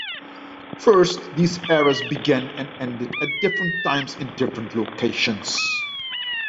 First, these eras began and ended at different times in different locations.